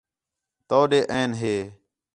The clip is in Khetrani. توڈے ہین ہِے